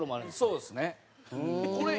そうですね。